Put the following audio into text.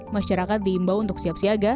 masyarakat diimbau untuk siap siaga